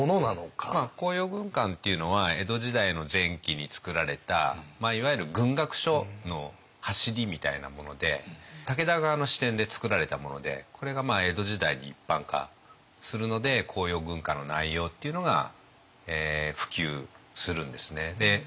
「甲陽軍鑑」っていうのは江戸時代の前期につくられたいわゆる軍学書の走りみたいなもので武田側の視点でつくられたものでこれが江戸時代に一般化するので「甲陽軍鑑」の内容っていうのが普及するんですね。